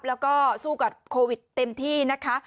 แล้วก็สู้กับโควิดเต็มที่นะคะ